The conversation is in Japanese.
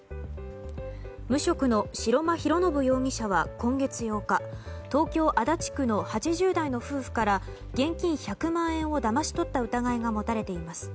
無職の白間広宣容疑者は今月８日東京・足立区の８０代の夫婦から現金１００万円をだまし取った疑いが持たれています。